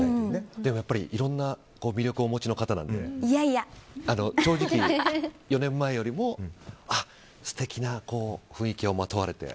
でもやっぱりいろんな魅力をお持ちの方なので４年前よりも素敵な雰囲気をまとわれて。